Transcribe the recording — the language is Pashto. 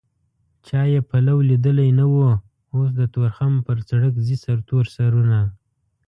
چا يې پلو ليدلی نه و اوس د تورخم په سرک ځي سرتور سرونه